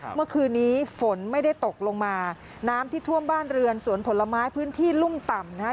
เมื่อคืนนี้ฝนไม่ได้ตกลงมาน้ำที่ท่วมบ้านเรือนสวนผลไม้พื้นที่ลุ่มต่ำนะฮะ